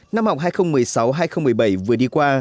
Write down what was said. năm học hai nghìn một mươi sáu hai nghìn một mươi bảy vừa đi qua